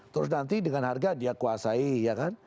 terus nanti dengan harga dia kuasai ya kan